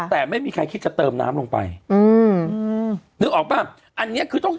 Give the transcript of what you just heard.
แต่ไม่มีใครคิดจะเติมน้ำลงไปอืมนึกออกป่ะอันเนี้ยคือต้อง